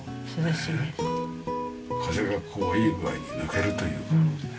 風がこういい具合に抜けるという感じで。